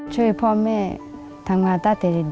ช่วยพ่อแม่ทำงานตั้งแต่ดิน